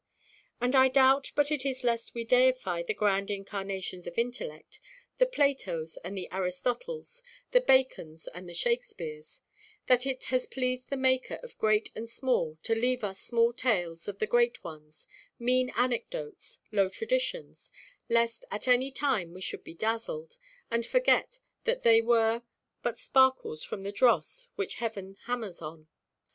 And I doubt but it is lest we deify the grand incarnations of intellect—the Platos and the Aristotles, the Bacons and the Shakespeares—that it has pleased the Maker of great and small to leave us small tales of the great ones, mean anecdotes, low traditions; lest at any time we should be dazzled, and forget that they were but sparkles from the dross which heaven hammers on.